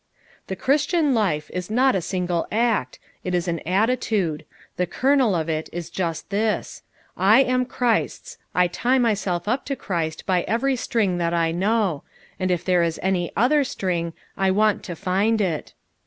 "The Christian life is not a single act, it is an atti tude. The kernel of it is just this: 'I am Christ's. I lie myself up to Christ by every string that I know; and if there is any other string, I want to find it.'